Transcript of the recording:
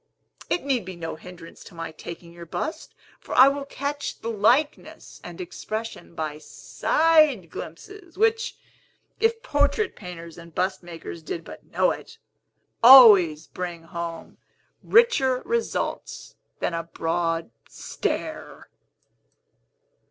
It need be no hindrance to my taking your bust; for I will catch the likeness and expression by side glimpses, which (if portrait painters and bust makers did but know it) always bring home richer results than a broad stare."